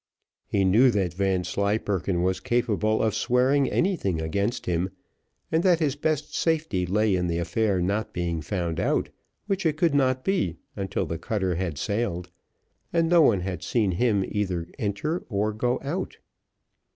He knew that Vanslyperken was capable of swearing anything against him, and that his best safety lay in the affair not being found out, which it could not be until the cutter had sailed, and no one had seen him either enter or go out.